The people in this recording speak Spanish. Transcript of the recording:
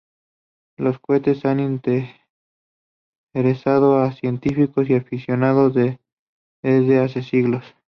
Los cohetes han interesado a científicos y aficionados desde hace siglos.